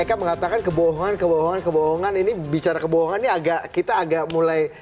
mereka mengatakan kebohongan kebohongan kebohongan ini bicara kebohongan ini agak kita agak mulai